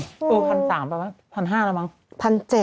เออพันสามประมาณพันห้าแล้วมั้งพันเจ็ด